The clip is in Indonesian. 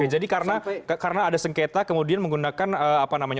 oke jadi karena ada sengketa kemudian menggunakan apa namanya